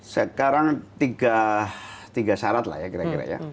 sekarang tiga syarat lah ya kira kira ya